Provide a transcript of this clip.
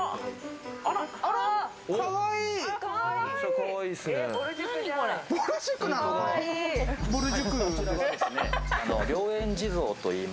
かわいい！